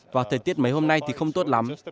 và thời tiết mấy hôm nay thì không tốt lắm